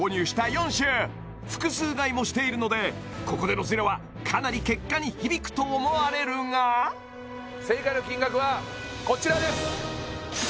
４種複数買いもしているのでここでのズレはかなり結果に響くと思われるが正解の金額はこちらです